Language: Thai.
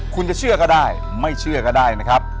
คุณจะเชื่อก็ได้ไม่เชื่อก็ได้นะครับ